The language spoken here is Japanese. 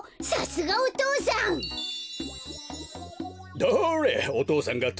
さすがお父さん！